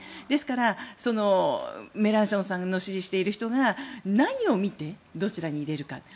ですから、メランションさんを支持している人が何を見てどちらに入れるか。